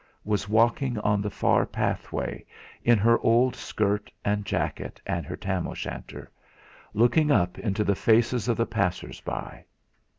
was walking on the far pathway, in her old skirt and jacket and her tam o' shanter, looking up into the faces of the passers by.